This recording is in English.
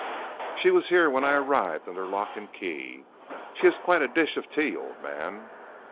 "She was here when I arrived under lock and key. She is quite a dish of tea, old man."